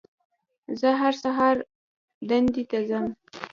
زه هر سهار دندې ته ځم